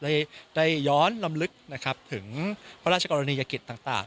ได้ย้อนลำลึกนะครับถึงพระราชกรณียกิจต่าง